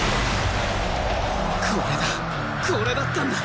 これだこれだったんだ！